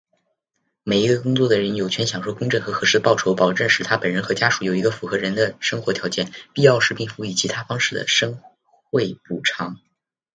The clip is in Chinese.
每一个工作的人,有权享受公正和合适的报酬,保证使他本人和家属有一个符合人的生活条件,必要时并辅以其他方式的社会保障。